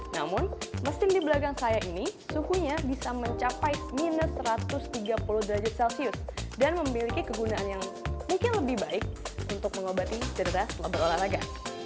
namun mesin di belakang saya ini suhunya bisa mencapai minus satu ratus tiga puluh derajat celcius dan memiliki kegunaan yang mungkin lebih baik untuk mengobati cedera setelah berolahraga